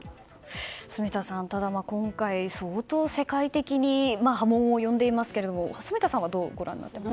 住田さん、今回、相当世界的に波紋を呼んでいますが住田さんはどうご覧になっていますか。